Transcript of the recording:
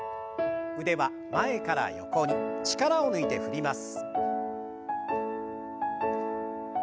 腕は前から横に力を抜いて振ります。